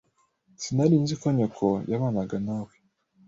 Sinari nzi ko nyoko yabanaga nawe.